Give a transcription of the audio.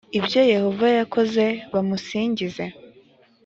ibyo yehova yakoze bamusingize